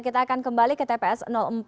kita akan kembali ke tps empat